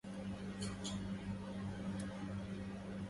إنما الماء من الماء روى